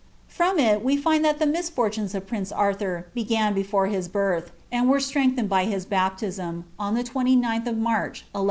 Krom it we find that the miffiv tunee of prince Arthur began before ha birth, and were Rlrenglhenod ^ hia baptism, on tite 29th of March, 1187.